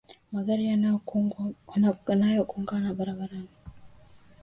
Magari yamegongana barabarani.